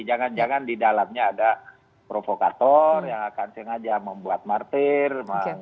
jangan jangan di dalamnya ada provokator yang akan sengaja membuat martir